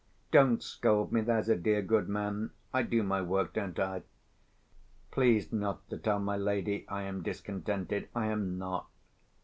Don't scold me, there's a dear good man. I do my work, don't I? Please not to tell my lady I am discontented—I am not.